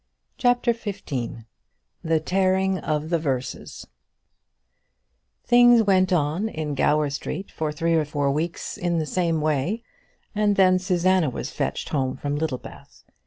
CHAPTER XV The Tearing of the Verses Things went on in Gower Street for three or four weeks in the same way, and then Susanna was fetched home from Littlebath.